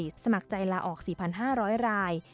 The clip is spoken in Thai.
และสมัครใจเกษียณก่อนกำหนด๒๗๐๐ราย